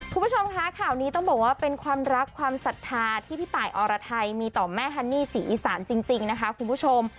คุณผู้ชมคะข่าวนี้ต้องบอกว่าเป็นความรักความศรัทธาที่พี่ตายอรไทยมีต่อแม่ฮันนี่ศรีอีสานจริงนะคะคุณผู้ชม